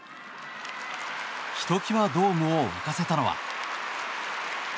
ひときわドームを沸かせたのは。